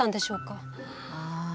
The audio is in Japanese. ああ。